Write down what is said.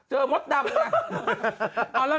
เหมือนมดดำน่ะ